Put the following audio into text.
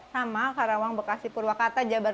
sama karawang bekasi purwakarta jabar